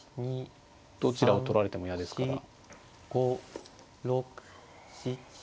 どちらを取られても嫌ですから。